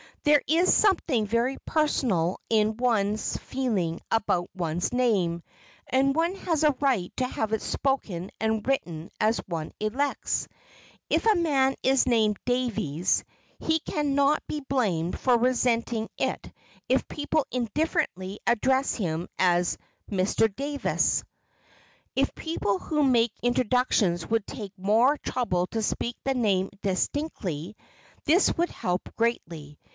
There is something very personal in one's feeling about one's name and one has a right to have it spoken and written as one elects. If a man is named "Davies" he can not be blamed for resenting it if people indifferently address him as "Mr. Davis." If people who make introductions would take more trouble to speak the name distinctly, this would help greatly.